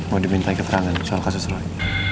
mau diminta ikut terang terangan soal kasus roy